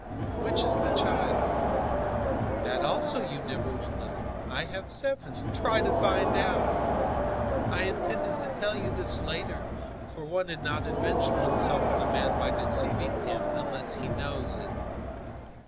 Which is the child? That also you never will know. I have seven; try to find out! I intended to tell you this later, for one has not avenged oneself on a man by deceiving him, unless he knows it.